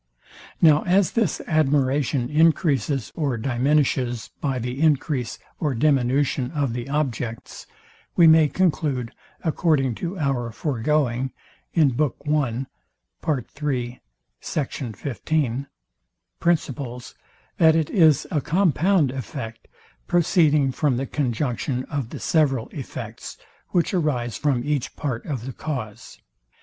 Now as this admiration encreases or diminishes by the encrease or diminution of the objects, we may conclude, according to our foregoing principles, that it is a compound effect, proceeding from the conjunction of the several effects, which arise from each part of the cause.